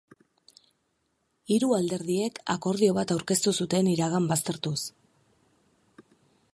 Hiru alderdiek akordio bat aurkeztu zuten iragan baztertuz.